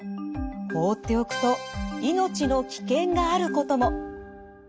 放っておくと命の危険があることも。